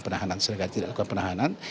penahanan seregat tidak lakukan penahanan